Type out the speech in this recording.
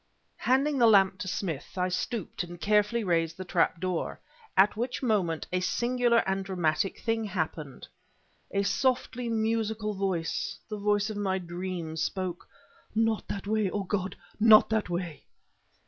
Handling the lamp to Smith, I stooped and carefully raised the trap door. At which moment, a singular and dramatic thing happened. A softly musical voice the voice of my dreams! spoke. "Not that way! O God, not that way!"